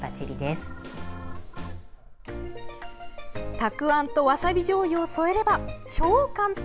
たくあんとわさびじょうゆを添えれば超簡単！